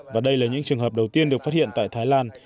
và đây là những trường hợp đầu tiên được phát hiện tại thái lan